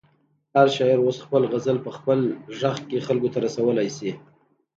هر شاعر اوس خپل غزل په خپل غږ کې خلکو ته رسولی شي.